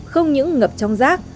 không những ngập trong rác